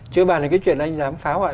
chứ bàn là cái chuyện anh dám phá hoại